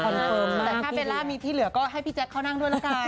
แต่ถ้าเบลล่ามีที่เหลือก็ให้พี่แจ๊คเขานั่งด้วยละกัน